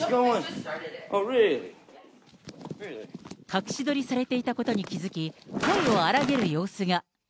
隠し撮りされていたことに気付き、声を荒げる様子が。